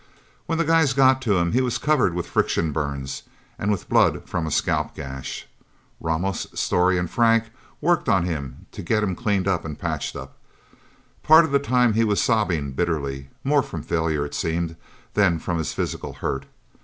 When the guys got to him, he was covered with friction burns, and with blood from a scalp gash. Ramos, Storey and Frank worked on him to get him cleaned up and patched up. Part of the time he was sobbing bitterly, more from failure, it seemed, than from his physical hurt.